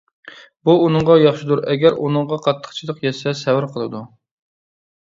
بۇ ئۇنىڭغا ياخشىدۇر، ئەگەر ئۇنىڭغا قاتتىقچىلىق يەتسە سەۋر قىلىدۇ.